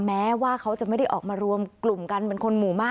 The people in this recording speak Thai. แม้ว่าเขาจะไม่ได้ออกมารวมกลุ่มกันเป็นคนหมู่มาก